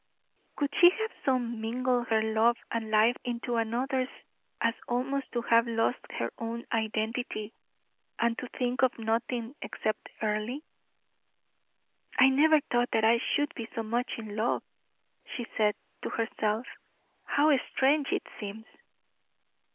Could she have so mingled her love and life into another's as almost to have lost her own identity, and to think of nothing except Earle? "I never thought that I should be so much in love," she said, to herself. "How strange it seems!"